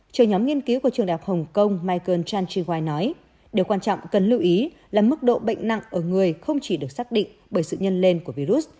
trường nhóm nghiên cứu của trường đại học hồng kông michael chan chi huai nói điều quan trọng cần lưu ý là mức độ bệnh nặng ở người không chỉ được xác định bởi sự nhân lên của virus